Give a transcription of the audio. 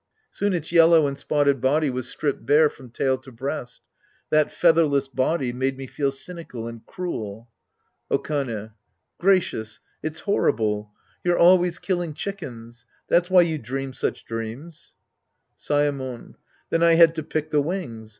Soon its yellow and spotted body was stripped bare from tail to breast. That featherless body made me feel cynical and cruel. Okane. Gracious, it's horrible. You're always killing chickens ; that's why you dream such dreams Saemon. Then I had to pick the wings.